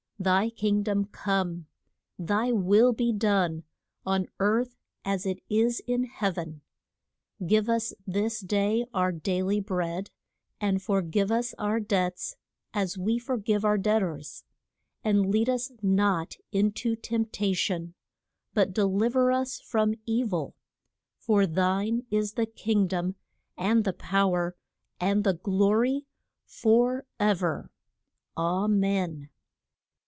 Thy King dom come. Thy will be done on earth as it is in heav en. Give us this day our dai ly bread. And for give us our debts, as we for give our debt ors. And lead us not in to tempt a tion, but del iv er us from e vil: For thine is the King dom, and the pow er, and the glo ry, for ever. _A men.